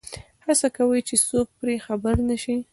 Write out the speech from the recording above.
هڅه کوي چې څوک پرې خبر نه شي.